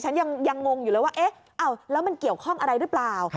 ฉันยังงงอยู่เลยว่าเอ๊ะแล้วมันเกี่ยวข้องอะไรหรือเปล่า